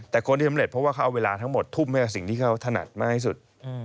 แต่คนที่สำเร็จเพราะว่าเขาเอาเวลาทั้งหมดทุ่มให้กับสิ่งที่เขาถนัดมากที่สุด